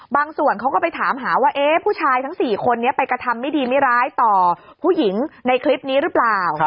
ส่วนเขาก็ไปถามหาว่าผู้ชายทั้ง๔คนนี้ไปกระทำไม่ดีไม่ร้ายต่อผู้หญิงในคลิปนี้หรือเปล่า